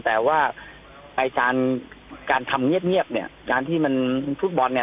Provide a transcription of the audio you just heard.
แต่ว่าไอ้การการทำเงียบเนี่ยการที่มันฟุตบอลเนี่ย